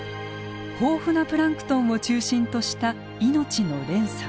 豊富なプランクトンを中心とした命の連鎖。